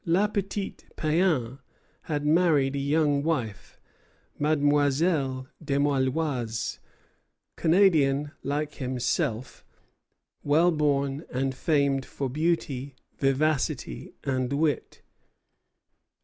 "Le petit Péan" had married a young wife, Mademoiselle Desméloizes, Canadian like himself, well born, and famed for beauty, vivacity, and wit.